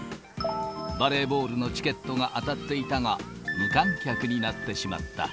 バレーボールのチケットが当たっていたが、無観客になってしまった。